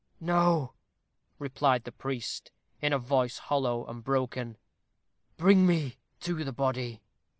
"No," replied the priest, in a voice hollow and broken. "Bring me to the body."